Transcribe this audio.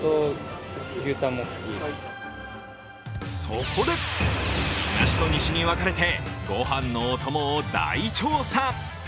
そこで、東と西に分かれてご飯のお供を大調査。